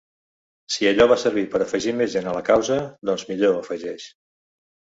Si allò va servir per afegir més gent a la causa, doncs millor, afegeix.